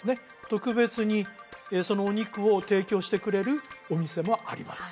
特別にそのお肉を提供してくれるお店もあります